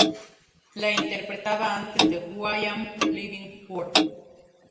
La interpretaba antes de Who Am I Living For?